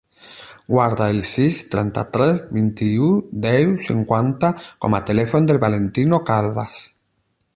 Guarda el sis, trenta-tres, vint-i-u, deu, cinquanta com a telèfon del Valentino Caldas.